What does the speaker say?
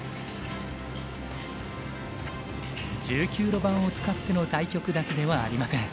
路盤を使っての対局だけではありません。